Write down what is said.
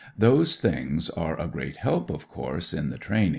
Those things are a great help, of course, in the training.